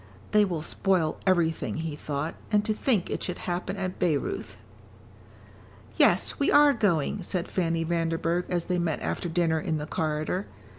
"They will spoil everything," he thought. "And to think it should happen at Bayreuth." "Yes, we are going," said Fanny Vanderburgh as they met after dinner in the corridor.